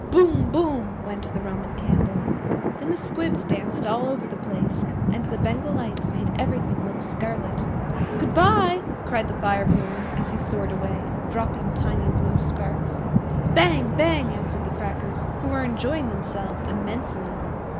Boom! Boom! went the Roman Candle. Then the Squibs danced all over the place, and the Bengal Lights made everything look scarlet. "Good bye," cried the Fire balloon as he soared away, dropping tiny blue sparks. Bang! Bang! answered the Crackers, who were enjoying themselves immensely.